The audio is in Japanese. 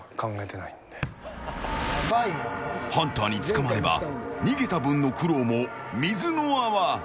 ハンターに捕まれば逃げた分の苦労も水の泡。